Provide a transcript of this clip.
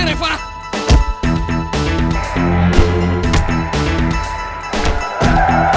reva harus jengkau fabian